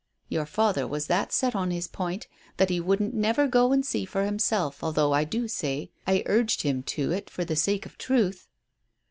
Your father was that set on his point that he wouldn't never go an' see for himself, although, I do say, I urged him to it for the sake of truth."